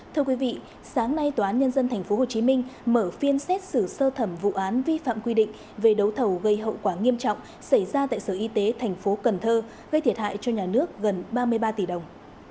thưa quý vị sáng nay tòa án nhân dân tp hcm mở phiên xét xử sơ thẩm vụ án vi phạm quy định về đấu thầu gây hậu quả nghiêm trọng xảy ra tại sở y tế tp cần thơ gây thiệt hại cho nhà nước gần ba mươi ba tỷ đồng